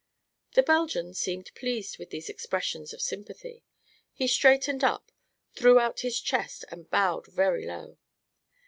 The Belgian seemed pleased with these expressions of sympathy. He straightened up, threw out his chest and bowed very low.